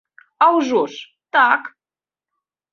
А ўжо ж, так!